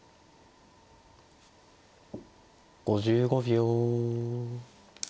５５秒。